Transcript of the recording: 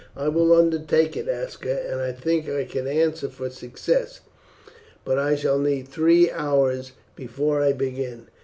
"I will undertake it, Aska, and I think I can answer for success; but I shall need three hours before I begin."